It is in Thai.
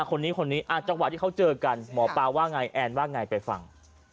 คนนี้คนนี้จังหวะที่เขาเจอกันหมอปลาว่าไงแอนว่าไงไปฟัง